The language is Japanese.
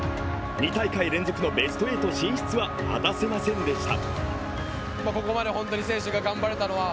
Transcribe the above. ２大会連続のベスト８進出は果たせませんでした。